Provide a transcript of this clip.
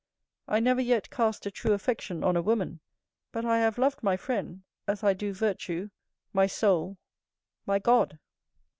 I never yet cast a true affection on a woman; but I have loved my friend, as I do virtue, my soul, my God.